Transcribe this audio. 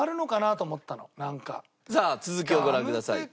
さあ続きをご覧ください。